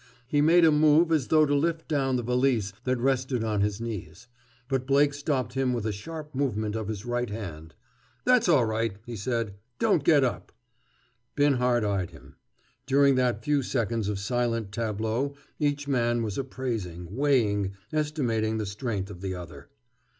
He made a move as though to lift down the valise that rested on his knees. But Blake stopped him with a sharp movement of his right hand. "That's all right," he said. "Don't get up!" Binhart eyed him. During that few seconds of silent tableau each man was appraising, weighing, estimating the strength of the other.